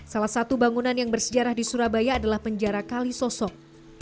salah satu bangunan yang bersejarah di surabaya adalah penjara kalisosok